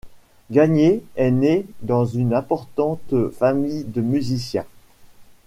Gagnier est né dans une importante famille de musiciens.